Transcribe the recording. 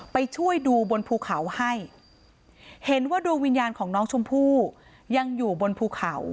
ไปช่วยดูบนภูเขาให้เห็นว่าดวงวิญญาณของน้องชมพู่ยังอยู่บนภูเขา